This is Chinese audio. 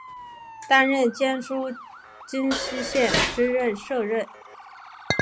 担任江苏荆溪县知县摄任。